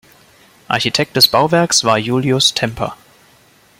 Architekt des Bauwerks war Julius Temper.